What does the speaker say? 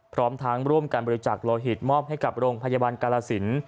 พร้อมทั้งร่วมกันบริจาคโลหิตมอบให้กับโรงพยาบาลกาลสิน